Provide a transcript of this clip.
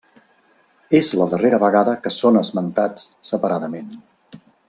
És la darrera vegada que són esmentats separadament.